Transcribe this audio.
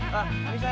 biar adil ya nak